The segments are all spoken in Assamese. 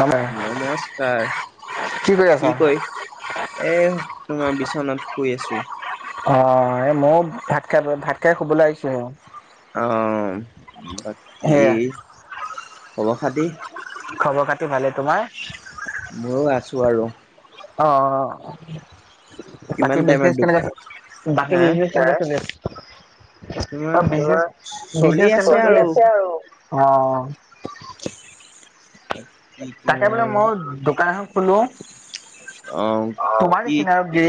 নমে নমস্কাৰ কৰি আছা? কি কয় এ তোমাৰ বিচনাত শুই আছো। অ, এই ময়ো ভাত খাই, ভাত খাই, শুবলৈ আহিছো। অ, বাকী সেয়া খবৰ খাতি খবৰ খাতি ভালেই তোমাৰ? মোৰো আছো আৰু। অ', অ'। কিমান বাকী টাইমত বিজনেচ দু কেনে বাকী হা বিজনেচ কেনেকৈ চলি আছে। অ, তোমাৰ বিজনেছ, বিজনেছ কেনেকুৱা চলি আছে, চলি আছে, আৰু অ'। কি তাকে বোলে তোমাৰ মই দোকান এখন খোলো। অ তোমাৰ কি নিচিনা আৰু কি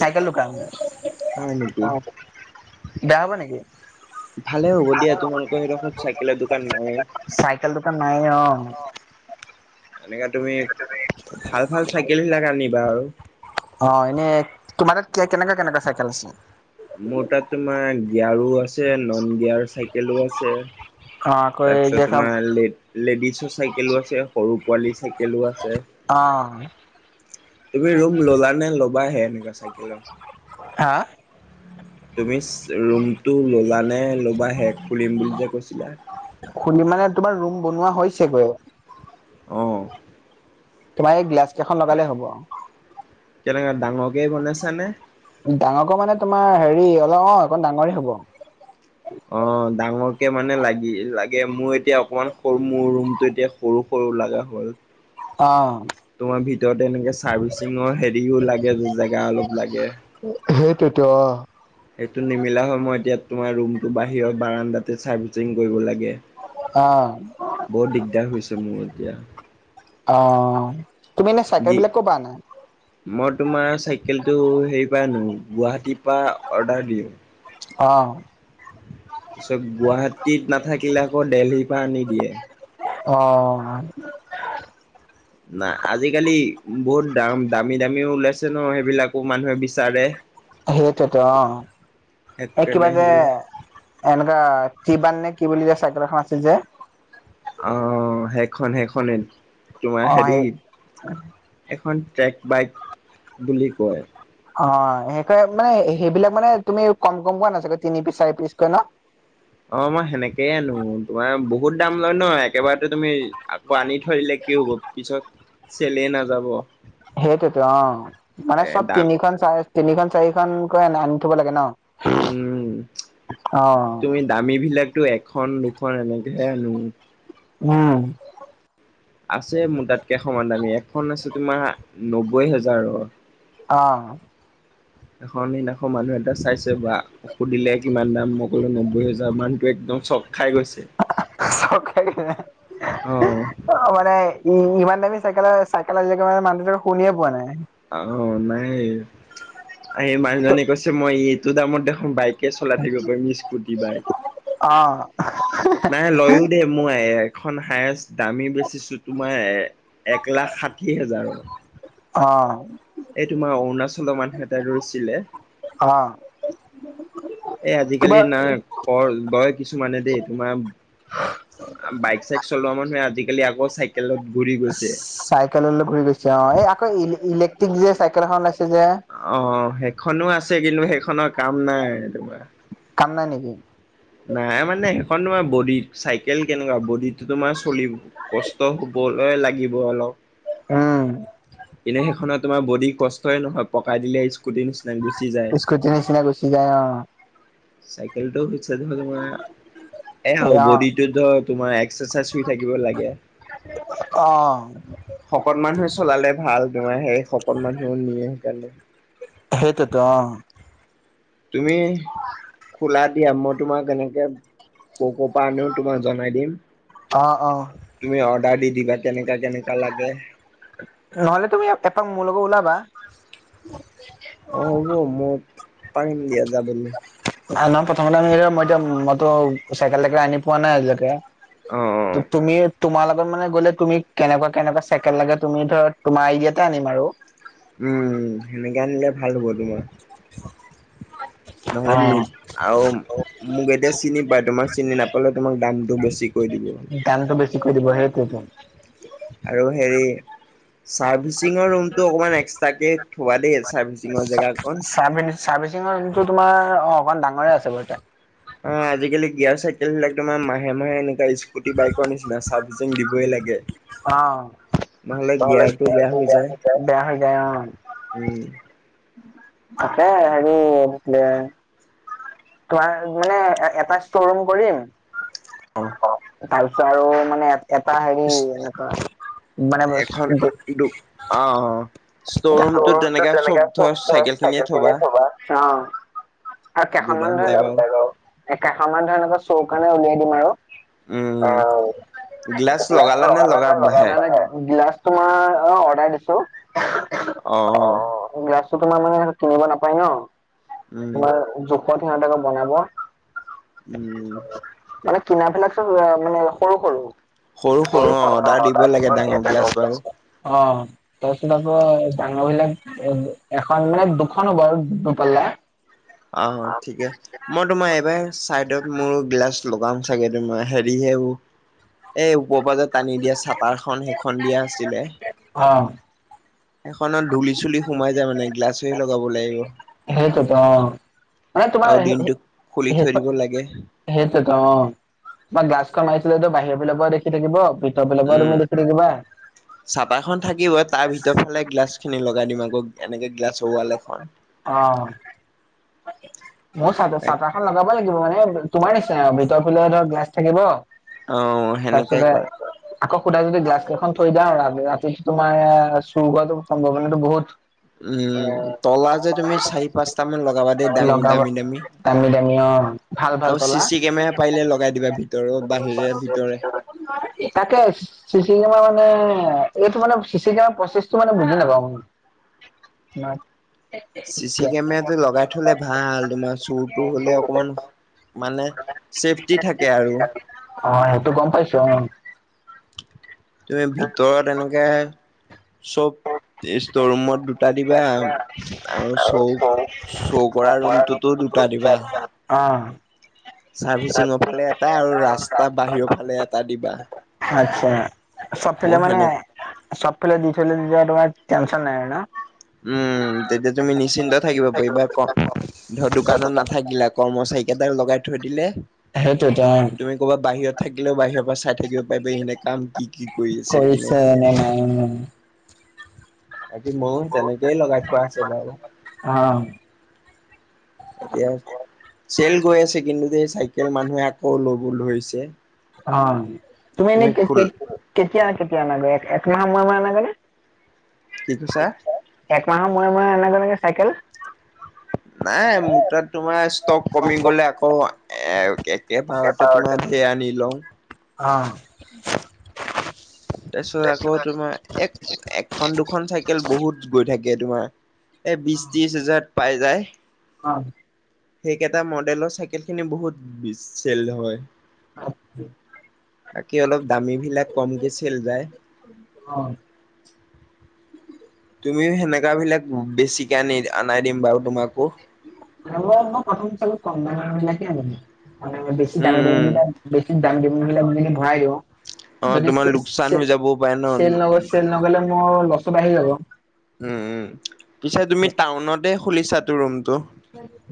চাইকেল দোকান অ, হয় নেকি বেয়া হব নেকি। ভালে [inaudible] হ'ব দিয়া তোমালোকৰ সেইডোখৰত চাইকেলৰ দোকান নাই [unintelligible] নাই অ'। এনেকা তুমি ভাল, ভাল চাইকেলবিলাকে আনিবা আৰু। অ, এনেই তোমাৰ তাত কে, কেনেকা, কেনেকুৱা চাইকেল আছিল। মোৰ তাত তোমাৰ গিয়াৰো আছে, নন, গিয়াৰ চাইকেলো আছে। অ' আকৌ এই যে তাৰপিছত এখন তোমাৰ লে, লেডিছৰ চাইকেলো আছে, সৰু পোৱালি চাইকেলো আছে। অ' তুমি ৰুম ল'লা নে ল'বাহে এনেকুৱা চাইকেলৰ হা? তুমি ৰুমটো ল'লা নে ল'বাহে খুলিম বুলি যে কৈছিলা? খুুলি মানে তোমাৰ ৰুম বনোৱা হৈছেগৈ। অ, তোমাৰ এই গ্লাছ কেইখন লগালে হ'ব। কেনেকে ডাঙৰকেই বনাইছানে। ডাঙৰকৈ মানে তোমাৰ হেৰি, অলপ অ অকণ ডাঙৰে হ'ব। অ, ডাঙৰকে মানে লাগি লাগে মোৰ এতিয়া অকমান সৰু মোৰ ৰুমটো এতিয়া সৰু সৰু। লগা হ'ল। অ, তোমাৰ ভিতৰত এনেকে চাৰ্ভিচিঙৰ হেৰিও লাগে জেগা অলপ লাগে। সেইটোইতো‌ অ', সেইটো নিমিলা হয় মই এতিয়া তোমাৰ ৰুমটো বাহিৰত বাৰাণ্ডাতে চাৰ্ভিচিং কৰিব লাগে। অ বহুত দিগদাৰ হৈছে মোৰ এতিয়া। অ, তুমি এনে চাইকেল দি বিলাক কৰ পৰা অনা। মই তোমাৰ চাইকেলটো হেৰি পৰা আনো গুৱাহাটীৰ পৰা অৰ্ডাৰ দিওঁ। অ, তাৰপিছত গুৱাহাটীত নাথাকিলে আকৌ দেলহিৰ পৰা আনি দিয়ে। অ, নাই আজিকালি বহুত দাম দামী দামীও ওলাইছে ন সেইবিলাকো মানুহে বিচাৰে। সেইটোতো অ, এই কিবা সেইকাৰণে যে, সেইবিলাক এনেকুৱা কি বান নে কি। কি, বুলি যে চাইকেল এখন আছে যে। আহ, সেইখন সেইখনে তোমাৰ হেৰি সেই এখন ট্ৰেক বাইক, বুলি কয়। অ, [unintelligible] মানে সেইবিলাক মানে তুমি কম কমকৈ আনা চাগৈ তিনি পিচ চাৰি পিচকৈ ন। অ, মই সেনেকেই আনো। তোমাৰ বহুত দাম লয় ন একেবাৰেো তুমি আকৌ আনি থৰিলে কি হ'ব পিছত চেলে নাযাব। সেইটোতো অ, মানে এ চব দাম তিনিখন চ তিনিখন চাৰিখনকৈ আনি থব লাগে ন উম, অ তুমি দামী বিলাকতটো এক এখন দুখন এনেকেহে আনো। হম', আছে মোৰ তাত কেইখনমান দামী এখন আছে তোমাৰ নব্বৈ হোজাৰৰ অ, এখন সদিনাখন মানুহ এটা চাইছে বা সুধিলে কিমান দাম মই কলো নব্বৈ হোজাৰ মান সি, একদম চক খাই গৈছে চক খাই‌ গৈছে, অ', অ', মানে। ইমান দামী চাইকেল চাইকেল আজিলকে মানে মানুহতো শুনিয়ে পোৱা নাই। অ, নাই, আহেই মানুহজনে কৈছে মই এইটো দামত দেখো বাইক চলাই থাকিব পাৰিম স্কুটি বাইক অ নাই লয়ও দে মোৰ এক এখন হায়েষ্ট দামী বেচিছোঁ তোমাৰ এক লাখ ষাঠি হোজাৰৰ অ, এই তোমাৰ অৰুণাচলৰ মানুহ এটাই ৰৈছিলে। অ', এ, কিবা আজিকালি না কৰ গয় কিছুমানে দেই তোমাৰ বাইক চাইক চলোৱা মানুহে আজিকালি আকৌ চাইেল চাইকেললৈ ঘুৰি গৈছে অ এই আকৌ ইলেক্ট্ৰিক যে চাইকেল এখন ওলাইছে যে অ, সেইখনো আছে। কিন্তু সেইখনৰ কাম নাই তোমাৰ কাম নাই নেকি? নাই মানে এখন তোমাৰ বডিত চাইকেল কেনেকুৱা বডিতো তোমাৰ চলিব কষ্ট হ'বলৈ লাগিব অলপ উম, এনে সেইখনত তোমাৰ বডি কষ্টইে নহয় পকাই দিলে স্কুটি উকো তেনে চিনে গ চি যায় অ'। চাইকেলটো হৈছে ধৰ, তোমাৰ এ এ আৰু অ বডিটো ধৰ তোমাৰ থাক লাগে, অ শকত মানহ হৈ চলালে ভাল। তোমাৰ সেই সকল মানুহো নিয়ে সেইকাৰণে। সেইটোত অ'। তুমি খোলা দিয়া মই তোমাক এনেকে, ক ক' পৰা আনও তোমাক জনাই দিম। অ অ তুমি অৰ্ডাৰ দি দিবা কেনেকা কেনেকা লাগে। নহলে তুমি এপাক মোৰ লগত ওলাবা। অ, হ'ব, মই পাৰিম দিয়া যাবলৈ। ন, নহয় প্ৰথমতে আম মই এতিয়া মইতো চাইকেল চাইকেল আনি পোৱা নাই আজিলৈকে। অ' ত, অ' তুমি তোমাৰ লগত মানে গ'লে তুমি কেনেকুৱা কেনেকুৱা চছেকেণ্ড লাগে তুমি ধৰ তোমাৰ আইডিয়াতেটা আনিম আৰু। উম, সেনেকে আনিলে ভাল হ'ব তোমাৰ। নহলে আৰু, মোক এতিয়া চিনি পায় তোমাৰ চিনি নাপালে তোমাৰ দামটো বেছি। কৈ দিব দানত বছি কৰি দিব সেইটোৱে। আৰু হেৰি চাৰ্ভিচিঙৰ ৰুমটো অকমান এক্সট্ৰাকে থোৱা দেই চাৰ্ভিচিঙৰ জেগা চাৰ্ভি চাৰ্ভিচিঙৰটো তোমাৰ, অ' অকণমান ডাঙৰে আছে বাৰু তে অ' আজিকালি গিয়াৰ চাইকেলবিলাক তোাৰ মাহে মাহে এনেকুৱা স্কুটি বাইকৰ নিচিনা চ চাফচিং দিবই লাগে। অ'। নহ'লে ভলে গিয়াৰটো বেয়া হৈ যায়। য বেয়া হৈ যায় অ'। উম আছে সেৰি এ তোমাৰ মানে এটা ষ্ট'ৰুম কৰিম। অ' তাৰপিছত আৰু মানে এটা হেৰি ইছ এনেকা মান এখন ব দু অ অ ষ্ট'ৰ ৰুমটোত ৰুমতো তেনেকে তেনেকাে ধৰ চব খৰচ চাইকেল থাকে খিনিয়ে থবা। আৰু গুদাম কেইখনমান ধৰি টাইপ আও লওক, কেইখনমান ধৰি লক চোৰ কাৰণে উলিয়াই দিম আৰু। উম, গিলাচ লগালা নে লগাব হে? নাই নাই গিলাচ তোমাৰ অ' অৰ্ডাৰ দিছো। আহ। গাছটো তোমাৰ মানে ন, কিনিব নাপায় ন উম তোমাৰ জোখত সিহতেক বনাব। উম। কিনাবিলাক চব মানে সৰু সৰু। সৰু অ' অৰ্ডাৰ ত দিব লাগে ডাঙৰ গিলাচ ল বাৰু অ'। তাৰপিছত আকৌ ডাঙৰ বিলাক এখন মানে দুখন হ'ব আৰু দুপাল্লা। অ' অ' ঠিকেছে মই তোমাৰ এইবাৰ চাইডত মোৰ গিলাচ লগাম চাগে তোমাৰ হেৰি হেৰ এই কবাজত টানি দিয়া চাপাৰখন সেইখন দিয়া আছিলে। অ এখনত ধূুলি চুলি সোমাই যায় মানে গ্লাছ হৈ লগাব লাগিব। সেইটোতো অ', মানে তোমাৰ, আৰু দিনটোক খুলি থৈ সটো দিব লাগে সেইটোতো অ' বাৰ গ্লাছখন মাৰিছিলেতো বাহিৰ বিলাক দেখি থাকিব। ভিতৰ ফালৰ পৰা তুমি উম, দেখি থাকিবা। চপা খন থাকিব তাৰ ভিতৰ ফালে গ্লাছ খিনি লগাই দিম আৰু। এনেকে গ্লাছৰ ৱাল এখন। অ। মোৰ চ চা এখন লগাব লাগিব মানে তোমাৰ নিচিনা ভিতৰ ফালে ধৰ গেছ থাকিব। অ' সেনেকাই তাৰপিছতে কৰে। আকৌ সুদাই যদি গছ কেইখন থৈ দিওঁ ৰাতিটো তোমাৰ চুৰ কৰোৱাটো সম্ভাৱনাটো বহুত এ উম তলা যে তুমি চাৰি পাঁচটা মান লগাবা দেই দাামো দামি দামী। দামি দামি অ' ভাল ভাল আৰু চি তলা। চি কেমেৰা পাৰিলে লগাই দিবা ভিতৰত বাহিৰে ভিতৰে। তাকে চিচি কেমেৰা মানে এইটো মানে চিচি কেমেৰা প্ৰচেছটো মানে বুজি নাপাওঁ। [unintelligible] চিচি কেমেৰাটো লগাই থ'লে ভাল, তোমাৰ চোৰ-তোৰ হ'লে অকমান মানে ছেফটি থাকে আৰু। অহ, সেইটো গম পাইছোঁ অহ। তুমি ভিতৰত এনেকে চব ষ্টৰ ৰুমত দুটা দিবা আৰু চৌক চৌ কৰা ৰুমটোতো দুটা দিবা। অ চাৰ্ভিচিংৰ ফালে এটা আৰু ৰাস্তা বাহিৰৰ ফালে এটা দিবা। আচ্ছা চব ফালে মোৰ মানে সেনে চবফালে দিলে তেতিয়া তোমাৰ টেনচন নাই আৰু ন'। উম' তেতিয়া তুমি নিশ্চিন্ত থাকিব পাৰিবা। ক' ধৰা দোকানত নাথাকিলা কৰ্মচাৰীকেইটাক লগাই থৈ দিলে। সেইটো তুমি ক'বা বাহিৰত থাকিলেও বাহিৰৰ পৰা চাই থাকিব পাৰিবা [unintelligible] কাম কি কি কৰি আছে কোনে। কৰিছে নে নাই বাকী মোৰো তেনেকেই লগাই থোৱা আছে বাৰু। অ এতিয়া চেল গৈ আছে কিন্তু চাইকেল মানুহে আকৌ ল'ব ধৰিছে। অহ, তুমি এনেই কেতিয়া-কেতিয়া আনাগৈ একমাহ মান সময় লাগেনে? কি কৈছা? একমাহৰ মুৰে-মুৰে আনাগৈনে চাইকেল। নাই মোৰ তাত তোমাৰ ষ্টক কমি গ'লে আকৌ এ একেবাৰতে তোমাৰ ধেৰ আনি লওঁ। অহ। তাৰপিছত আকৌ তোমাৰ এক, এখন দুখন চাইকেল বহুত গৈ থাকে তোমাৰ। এই বিশ ত্ৰিশ হাজাৰত পাই যায়। অহ। সেইকেইটা মডেলৰ চাইকেলখিনি বহুত চেল হয়। অ', [unintelligible] বাকী অলপ দামীবিলাক কমকে ছেল যায়। অ [unintelligible] তুমিও সেনেকা বিলাক বেছিকে আনি, আনাই দিম বাৰু তোমাকো। মই মই প্ৰথম চাগৈ কম দামীবিলাকে আনিবি মানে, বেছি উম উম দামীবিলক বেছি দামী মোৰবিলাক যদি ভৰাই দিওঁ, অ যদি তোমাৰ চে লোকচান চে হৈ যাবও পাৰে ন। চেল নগ'ল চে নগ'লে মোৰ লছটো বাঢ়ি যাব। উম', উম'। পিছে তুমি টাউনতে খুলিছাতো ৰুমটো। তো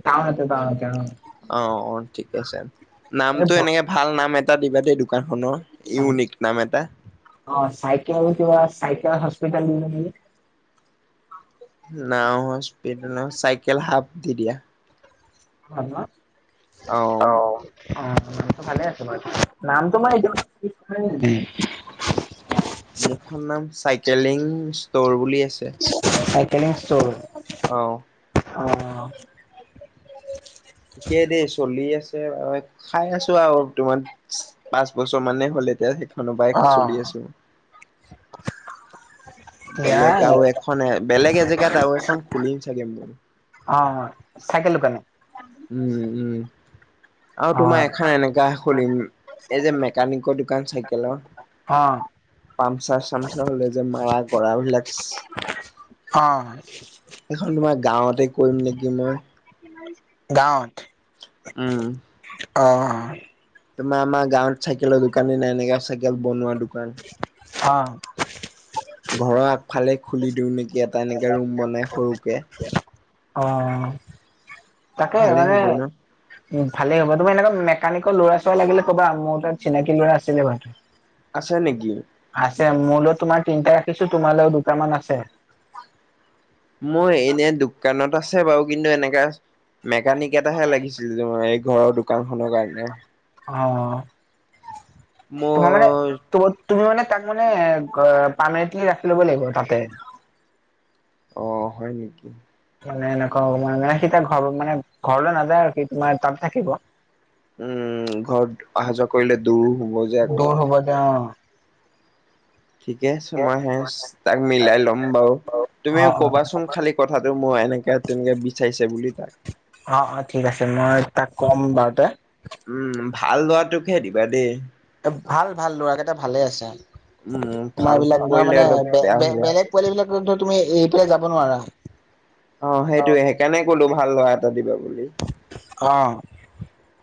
টাউনতে টাউনতে অ অহ', অহ', ঠিকে আছে। নামটো এনেকে ভাল নাম এটা দিবা দেই। দোকানখনৰ ইউনিক নাম এটা। অহ, চাইকেল কিবা চাইকেল [unintelligible] নাউ স্পিড নহয়, চাইকেল হাফ দি দিয়া। হা, হ? অ অহ। অহ, বাকী ভালে আছে বাৰু। নামটো তোমাৰ এতিয়া [unintelligible] মোৰখন নাম চাইকেলিং ষ্টৰ বুলি আছে। Cycling store. অহ। অহ। ঠিকে দেই চলি আছে। খাই আছোঁ আৰু তোমাৰ পাঁচ বছৰ মানে হ'ল এতিয়া কোনো বাইক চলি অ', আছোঁ। বেলেগ আৰু এখন বেলেগ এজেগাত আৰু এখন খুলিম চাগে মই। অ চাইকেল দোকানে। উম উম। আৰু তোমাৰ অ', এখন এনেকা খলম, এই যে মেকানিকৰ দোকান চাইকেলৰ। অ'। পামচাৰ-চামচাৰ হ'লে যে মাৰা কৰা [unintelligible] অ। এখন তোমাৰ গাঁৱতে কৰিম নেকি মই। গাঁৱত? উম'। অ। তোমাৰ আমাৰ গাঁৱত চাইকেলৰ দোকানী নাই নেকি? চাইকেল বনোৱা টো অ। ঘৰৰ আগফালে খুলি দিওঁ নেকি এটা এনেকে ৰুম বনাই সৰুকে। অ। ভালেই হ'ব ন। উ ভালেই হ'ব। তোৰ এনেুৱা মেকানিকৰ ল'ৰা-চৰা লাগিলে ক'বা, মোৰ তাত চিনাকি ল'ৰা আছিলে ভাল আছে নেকি। মোলৈ তোমাৰ তিনিটা ৰাখিছো, তোমালৈও দুটামান আছে। মই এনে দোকানত আছে বাৰু কিন্তু এনেকা মেকানিক এটাহে লাগিছিল ঘৰৰ দোকানখনৰ কাৰণে। অ', তোমাৰ মানে মই তম তুমি মানে তাক মানে পাৰ্মেণ্টলি ৰাখি ল'ব লাগিব তাতে। অ হয় নেকি। মানে এনেকুৱা হব মানে, সি তাৰ ঘৰ মানে ঘৰলৈ নাযায় আৰু কি তোমাৰ তাত থাকিব। উম ঘৰত অহা যোৱা কৰিলে দূৰো হ'ব যে দূৰ আকৌ। হ'ব যে অ', ঠিকে আছে মই সে তাক মিলাই ল'ম বাৰু। অ', তুমিও অ', কবাচোন খালি কথাটো মই এনেকে তেনেকে বিচাৰিছে বুলি তাক। অ ঠিক আছে মই তাক ক'ম বাৰুতে উম ভাল লোৱাটোকহে দিবা দেই। ভাল ভাল ল'ৰা কেইটা ভালে আছে, উম তোমাৰ ফাং ফুং এইবলাক নহয় কৰিলে মানে অলপ বেয়া হ'ব বেলেগ পোৱালি বিলাক তু-তুমি এতিয়াই যাব নোৱাৰা। অ সেইটোয়ে সেইকাৰণে কলো ভাল ল'ৰা এটা দিবা বুলি। অ।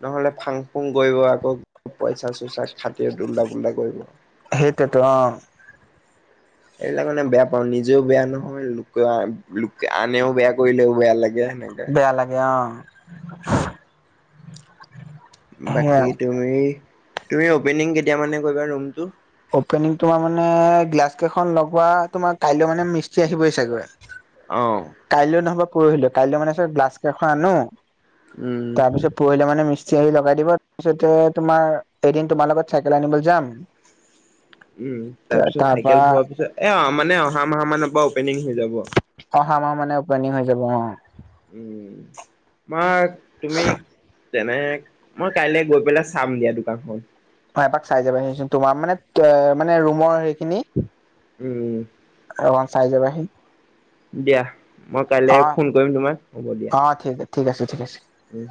নহলে ফাং ফুং কৰিব আকৌ অলপ পইচা চইচাক খাতি দুম্লা বোল্লা কৰিব। সেইটোৱেতো অ', [inaudible] এইবিলাক মানে বেয়া পাওঁ। নিজেও বেয়া নহয় লোক লোকে আনেও বেয়া কৰিলেও বেয়া লাগে। সেনেকে বেয়া লাগে অ। সেয়া। বাকী তুমি, তুমি অপেনিং কেতিয়া মানে কৰিবা ৰুমটো? অপেনিং তোমাৰ মানে গ্লাছ কেইখন লগবোৱা তোমাৰ কাইলৈ মানে মিস্ত্ৰী আহিবই চাগৈ, অ কাইলৈ নহবা পৰহিলো কাইলৈ মানে গ্লছ কেইখন আনো, উম তাৰ পিছত পৰহিলে মানে মি চিঞৰি লগাই দিব। তাৰপিছতে তোমাৰ এদিন তোমাৰ লগত চাইকেল আনিব যাম, উম তাৰ পিছত চাইকেল পোৱাৰ পিছত এ অ মানে অহা মাহ মানৰ পৰা অপেনিং হৈ যাব। অহা মাহ মানে অপেনিং হৈ যাব অ। উম মই তুমি তেনে, মই কাইলৈ গৈ পেলাই চাম দিয়া দোকানখন। অ এপাক পাক চাই যাব সি চন তোমাৰ মানে মানে ৰুমৰ সেইখিনি উম। [unintelligible] চাই যাবাহি। দিয়া মই কাইলৈ অ ফোন কৰিম তোমাক হ'ব দিয়া। অ ঠিক ঠিক আছে ঠিক আছে। উম।